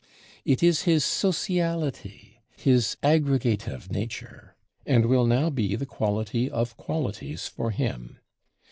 it is his sociality, his aggregative nature; and will now be the quality of qualities for him.